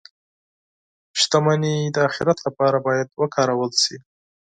• شتمني د آخرت لپاره باید وکارول شي.